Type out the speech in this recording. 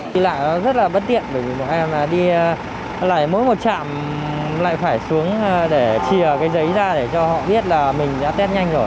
mình lại phải xuống để trìa cái giấy ra để cho họ biết là mình đã test nhanh rồi